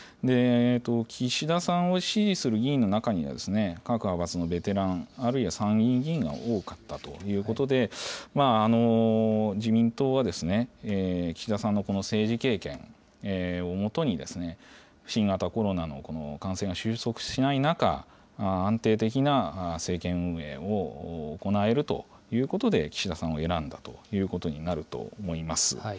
岸田さんを支持する議員の中には、各派閥のベテラン、あるいは参議院議員が多かったということで、自民党は、岸田さんの政治経験をもとに、新型コロナの感染収束しない中、安定的な政権運営を行えるということで、岸田さんを選んだということになると思います。